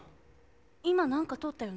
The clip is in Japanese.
今なんか通ったよね。